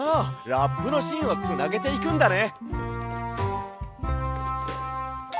ラップのしんをつなげていくんだね！